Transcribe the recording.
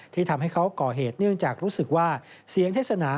ทำให้เขาก่อเหตุเนื่องจากรู้สึกว่าเสียงเทศนา